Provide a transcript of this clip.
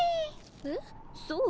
えっそう？